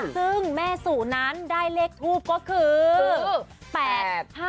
ซึ่งแม่สู่นั้นได้เลขทูปก็คือ๘๕